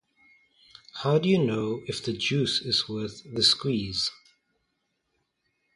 How do you know if the juice is worth the squeeze?